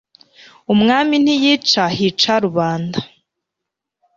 umwami ntiyica, hica rubanda